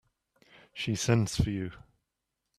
She sends for you.